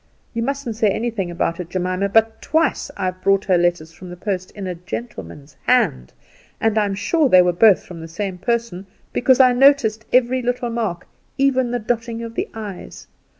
You mustn't say anything about it, Jemima, but twice I've brought her letters from the post in a gentleman's hand, and I'm sure they were both from the same person, because I noticed every little mark, even the dotting of the i's.